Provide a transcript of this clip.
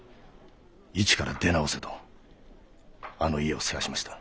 一から出直せとあの家を世話しました。